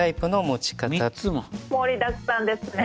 盛りだくさんですね。